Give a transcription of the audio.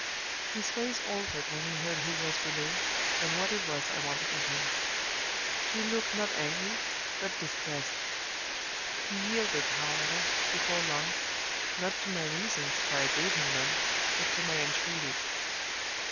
"His face altered when he heard who was below, and what it was I wanted of him; he looked not angry, but distressed. He yielded, however, before long, not to my reasons, for I gave him none, but to my entreaties.